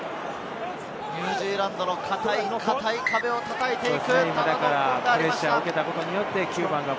ニュージーランドの堅い壁を叩いていく。